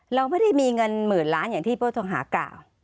เราไม่ได้มีเงินหมื่นล้านอย่างที่ผู้ต้องหากล่าว